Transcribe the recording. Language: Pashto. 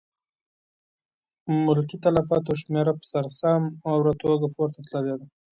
ملکي تلفاتو شمېره په سر سام اوره توګه پورته تللې ده.